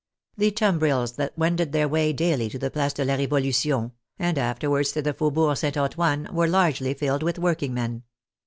The tum brils that wended their way daily to the Place de la Revo lution and afterwards to the Faubourg St. Antoine, were largely filled with workingmen.